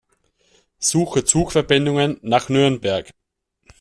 Suche Zugverbindungen nach Nürnberg.